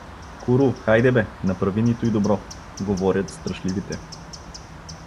„Куру, хайде бе, направи ни туй добро“ — говорят страшливите.